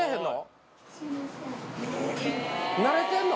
慣れてるの？